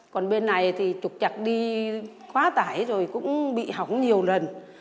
còn bên này thì trục chặt đi quá tải rồi cũng bị hỏng nhiều lần